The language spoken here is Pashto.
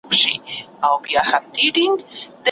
یو ښکاري کرۍ ورځ ښکار نه وو مېندلی